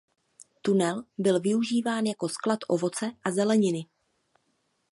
Tunel byl využíván jako sklad ovoce a zeleniny.